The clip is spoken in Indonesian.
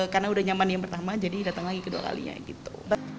karena udah nyaman yang pertama jadi datang lagi kedua kalinya gitu